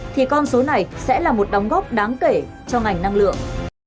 thì con số này sẽ là một đóng góp đáng kể cho ngành năng lượng